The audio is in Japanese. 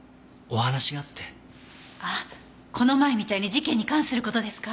あっこの前みたいに事件に関する事ですか？